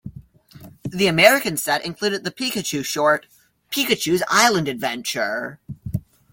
The American set included the Pikachu short "Pikachu's Island Adventure".